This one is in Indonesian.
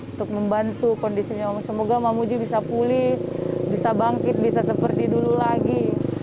untuk membantu kondisinya semoga mamuju bisa pulih bisa bangkit bisa seperti dulu lagi